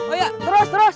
oh iya terus terus